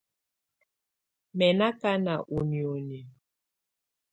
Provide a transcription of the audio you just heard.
Mɛ̀ ná ákaná i nioni.